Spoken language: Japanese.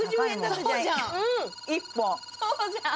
そうじゃん！